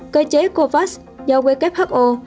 cơ chế covax do who liên minh đổi mới sử dụng